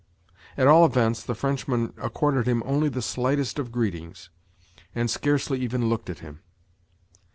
At all events the Frenchman accorded him only the slightest of greetings, and scarcely even looked at him.